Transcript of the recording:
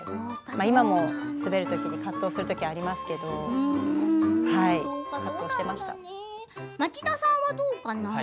今も滑るときに葛藤するときがありますけれど町田さんはどうかな？